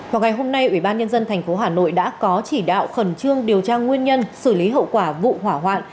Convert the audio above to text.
vào ngày hôm nay ủy ban nhân dân tp hà nội đã có chỉ đạo khẩn trương điều tra nguyên nhân xử lý hậu quả vụ hỏa hoạn